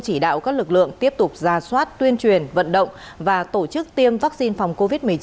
chỉ đạo các lực lượng tiếp tục ra soát tuyên truyền vận động và tổ chức tiêm vaccine phòng covid một mươi chín